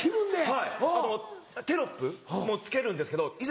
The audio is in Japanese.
はいあとテロップも付けるんですけどいざ